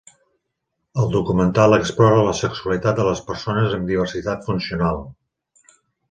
El documental explora la sexualitat de les persones amb diversitat funcional.